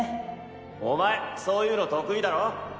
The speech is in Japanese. お前そういうの得意だろ？